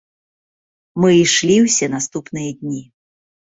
Мы ішлі ўсе наступныя дні.